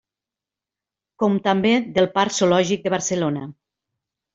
Com també del Parc Zoològic de Barcelona.